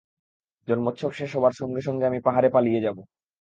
জন্মোৎসব শেষ হবার সঙ্গে সঙ্গে আমি পাহাড়ে পালিয়ে যাব।